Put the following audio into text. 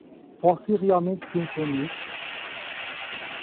Você realmente pensou nisso?